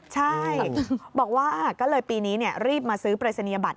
ใช่บอกว่าก็เลยปีนี้รีบมาซื้อปรายศนียบัตร